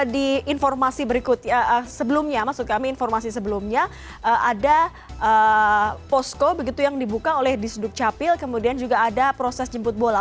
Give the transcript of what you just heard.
di informasi berikut sebelumnya maksud kami informasi sebelumnya ada posko begitu yang dibuka oleh di sudut capil kemudian juga ada proses jemput bola